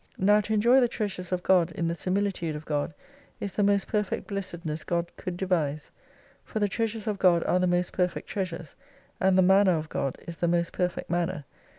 Now to enjoy the treasures of God in the similitude of God, is the most perfect blessed ness God could devise. For the treasures of God are the most perfect treasures, and the manner of God is the most perfect manner.